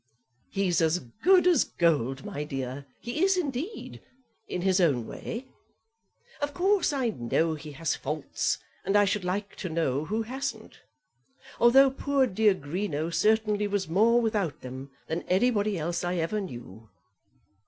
"He's as good as gold, my dear; he is, indeed, in his own way. Of course, I know that he has faults, and I should like to know who hasn't. Although poor dear Greenow certainly was more without them than anybody else I ever knew."